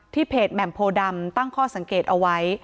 เพจแหม่มโพดำตั้งข้อสังเกตเอาไว้